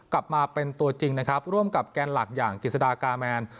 กลับมาเป็นตัวจริงนะครับร่วมกับแกนหลักอย่างกิจสดากาแมน